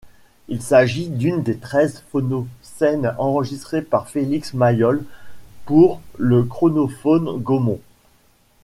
Il s'agit d'une des treize phonoscènes enregistrées par Félix Mayol pour le Chronophone Gaumont.